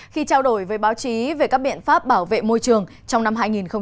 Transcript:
khi trao đổi với báo chí về các biện pháp bảo vệ môi trường trong năm hai nghìn một mươi chín